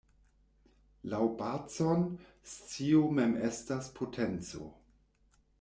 Laŭ Bacon, "scio mem estas potenco".